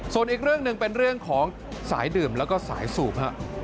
ส่วนอีกเรื่องหนึ่งเป็นเรื่องของสายดื่มแล้วก็สายสูบฮะ